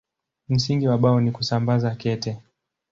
Msingi wa Bao ni kusambaza kete.